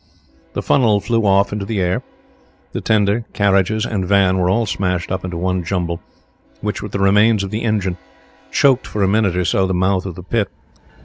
The funnel flew off into the air. The tender, carriages, and van were all smashed up into one jumble, which, with the remains of the engine, choked for a minute or so the mouth of the pit.